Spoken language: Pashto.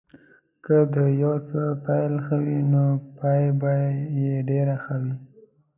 که د یو څه پيل ښه وي نو پای به یې ډېر ښه وي.